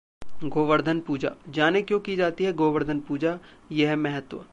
Govardhan Puja: जानें क्यों की जाती है गोवर्धन पूजा, ये है महत्व